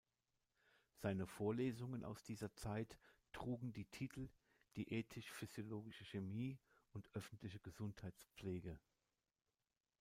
Seine Vorlesungen aus dieser Zeit trugen die Titel „Diätisch-physiologische Chemie“ und „Öffentliche Gesundheitspflege“.